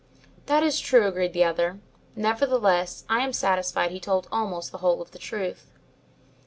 "That is true," agreed the other, "nevertheless, I am satisfied he told almost the whole of the truth."